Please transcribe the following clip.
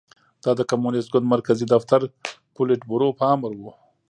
دا د کمونېست ګوند مرکزي دفتر پولیټ بورو په امر و